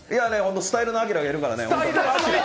スタイル・アキラがいるからね。